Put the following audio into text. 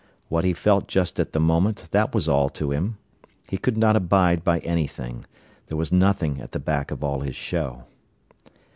What he felt just at the minute, that was all to him. He could not abide by anything. There was nothing at the back of all his show.